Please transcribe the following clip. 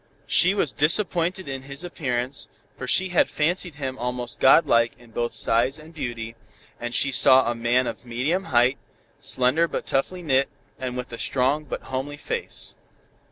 She was disappointed in his appearance, for she had fancied him almost god like in both size and beauty, and she saw a man of medium height, slender but toughly knit, and with a strong, but homely face.